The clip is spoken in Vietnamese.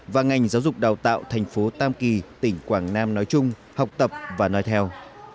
và ngành giáo dục đào tạo thành phố tam kỳ tỉnh quảng nam nói chung học tập và nói theo